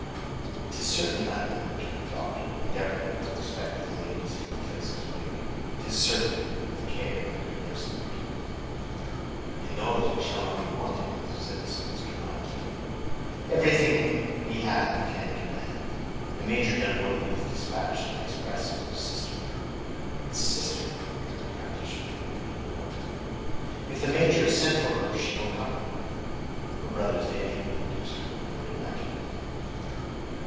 "'Tis certain, madam," returned the doctor, endeavoring, out of respect to the ladies, to replace his wig; "'tis certain, with care and good nursing." "In those he shall not be wanting," said the spinster, mildly. "Everything we have he can command, and Major Dunwoodie has dispatched an express for his sister." "His sister!" echoed the practitioner, with a meaning look. "If the major has sent for her, she will come." "Her brother's danger would induce her, one would imagine."